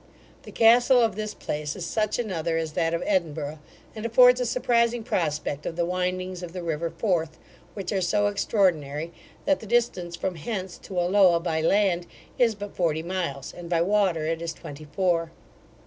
The castle of this place is such another as that of Edinburgh, and affords a surprising prospect of the windings of the river Forth, which are so extraordinary, that the distance from hence to Alloa by land, is but forty miles, and by water it is twenty four.